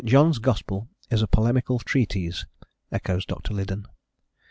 John's gospel is a polemical treatise," echoes Dr. Liddon.